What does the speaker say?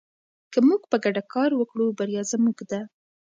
که موږ په ګډه کار وکړو بریا زموږ ده.